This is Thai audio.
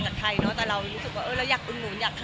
ก็เคยเจอสมควรไอ้หมูหลัก